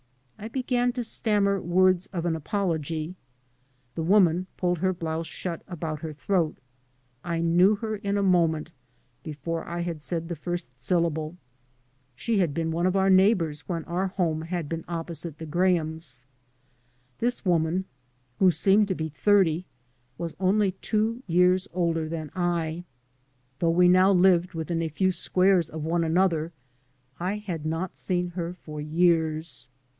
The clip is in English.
I began to stammer words of an apology. The woman pulled her blouse shut about her throat. I knew her in a moment, before I had said the first syllable. She had been one of our neighbours when our home had been opposite the Grahams. This woman who seemed to be thirty was only two years older than I. Though we now lived within a few squares of one another I had not seen her for years.